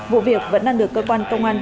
vụ việc vẫn đang được cơ quan công an